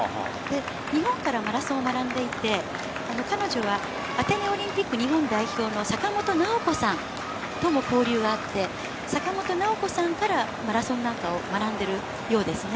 日本からマラソンを学んでいて、彼女はアテネオリンピック日本代表のさかもとなおこさんとも交流があって、さかもとなおこさんからマラソンなんかを学んでるようですね。